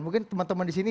mungkin teman teman disini